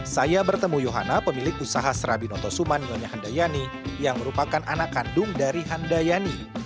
saya bertemu yohana pemilik usaha serabi notosuman nyonya handayani yang merupakan anak kandung dari handayani